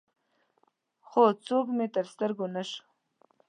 خو څوک مې تر سترګو نه شو.